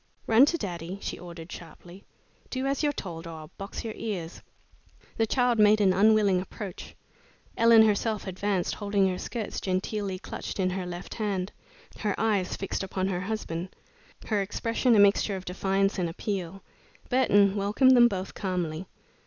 "Run to daddy," she ordered, sharply. "Do as you're told, or I'll box your ears." The child made an unwilling approach. Ellen herself advanced, holding her skirts genteelly clutched in her left hand, her eyes fixed upon her husband, her expression a mixture of defiance and appeal. Burton welcomed them both calmly.